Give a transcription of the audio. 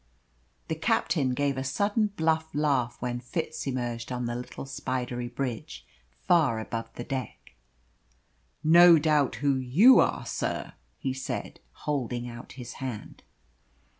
The captain gave a sudden bluff laugh when Fitz emerged on the little spidery bridge far above the deck. "No doubt who you are, sir," he said, holding out his hand.